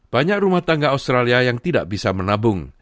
banyak rumah tangga australia yang tidak bisa menabung